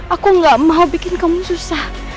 aku gak mau bikin kamu susah